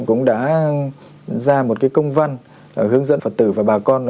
cũng đã ra một công văn hướng dẫn phật tử và bà con